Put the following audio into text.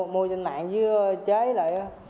mua trên mạng chứ chế lại đó